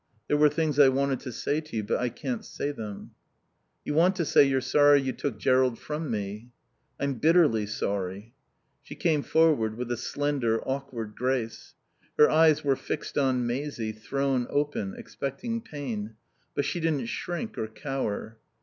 There were things I wanted to say to you, but I can't say them." "You want to say you're sorry you took Jerrold from me." "I'm bitterly sorry." She came forward with a slender, awkward grace. Her eyes were fixed on Maisie, thrown open, expecting pain; but she didn't shrink or cower.